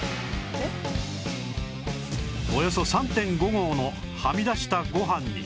およそ ３．５ 合のはみ出したご飯に